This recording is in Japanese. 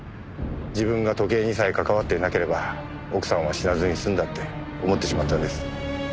自分が時計にさえ関わっていなければ奥さんは死なずに済んだって思ってしまったんです。